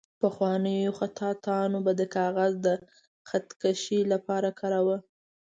پخوانیو خطاطانو به د کاغذ د خط کشۍ لپاره کاروله.